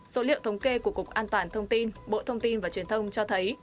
số liệu thống kê của cục an toàn thông tin bộ thông tin và truyền thông cho thấy